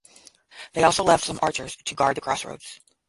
They also left some archers to guard the Crossroads.